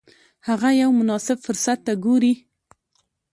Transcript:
هغه یو مناسب فرصت ته ګوري.